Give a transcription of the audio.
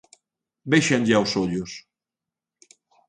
Véxanlle aos ollos.